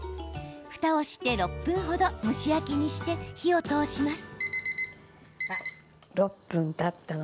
ふたをして６分程蒸し焼きにして火を通します。